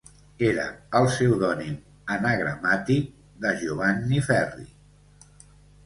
Era el pseudònim anagramàtic de Giovanni Ferri.